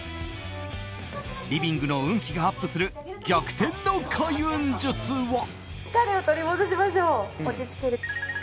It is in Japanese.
リビングの運気がアップする逆転の開運術は？